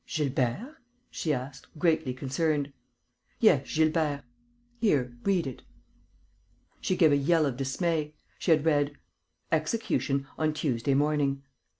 "Gilbert?" she asked, greatly concerned. "Yes, Gilbert.... Here, read it." She gave a yell of dismay. She had read: "Execution on Tuesday morning."